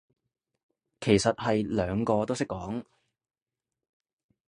其實係兩個都識講